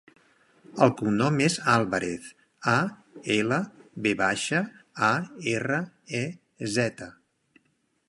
El cognom és Alvarez: a, ela, ve baixa, a, erra, e, zeta.